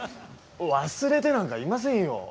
忘れてなんかいませんよ。